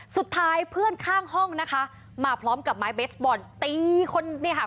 เพื่อนข้างห้องนะคะมาพร้อมกับไม้เบสบอลตีคนเนี่ยค่ะ